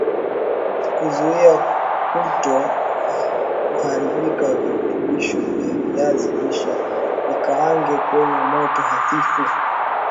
Kuzuia kuto kuharibu virutubisho vya viazi lishe vikaange kwenye moto hafifu